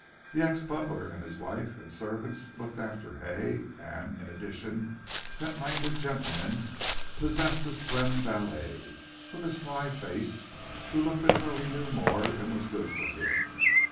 The ex butler and his wife and servants looked after Hay, and in addition, that languid gentleman possessed a slim valet, with a sly face, who looked as though he knew more than was good for him.